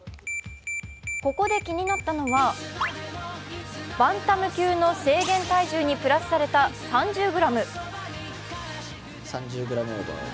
ここで気になったのは、バンタム級の制限体重にプラスされた３０ｇ。